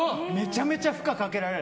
めちゃめちゃ負荷をかけられる。